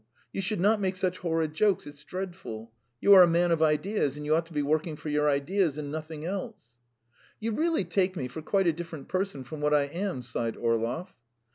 You should not make such horrid jokes. It's dreadful. You are a man of ideas, and you ought to be working for your ideas and nothing else." "You really take me for quite a different person from what I am," sighed Orlov.